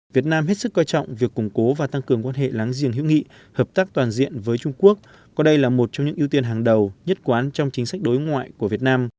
việt nam hết sức coi trọng việc củng cố và tăng cường quan hệ láng giềng hữu nghị hợp tác toàn diện với trung quốc coi đây là một trong những ưu tiên hàng đầu nhất quán trong chính sách đối ngoại của việt nam